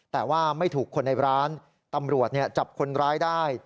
แต่ว่าไม่ถูกคนในร้านตำรวจจับคนร้ายได้